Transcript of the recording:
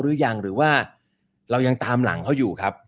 หรือยังหรือว่าเรายังตามหลังเขาอยู่ครับ